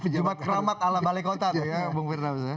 jumat keramat ala balai kota ya pak firdaus